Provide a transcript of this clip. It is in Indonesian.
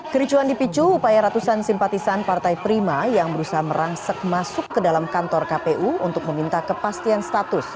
kericuan dipicu upaya ratusan simpatisan partai prima yang berusaha merangsek masuk ke dalam kantor kpu untuk meminta kepastian status